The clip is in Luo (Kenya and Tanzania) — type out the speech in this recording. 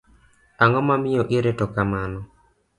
Ang'o miyo ireto kamano?